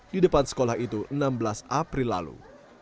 di depan sekolah itu enam belas april lalu